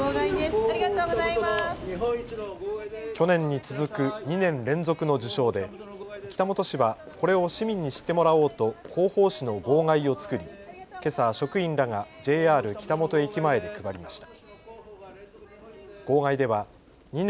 去年に続く２年連続の受賞で北本市はこれを市民に知ってもらおうと広報紙の号外を作り、けさ職員らがＪＲ北本駅前で配りました。